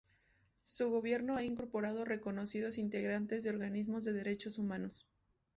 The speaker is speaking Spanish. Su gobierno ha incorporado reconocidos integrantes de organismos de Derechos Humanos.